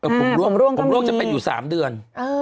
ผมร่วมจะเป็นอยู่๓เดือน